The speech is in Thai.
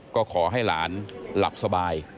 ก็ขอให้หลานหลับสบาย